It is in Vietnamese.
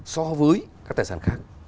so với các tài sản khác